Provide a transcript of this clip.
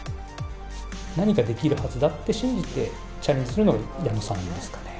何かできるはずだって信じてチャレンジするのが矢野さんですかね。